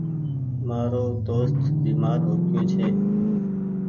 مآرو دوست بيمآر هوگيو ڇي۔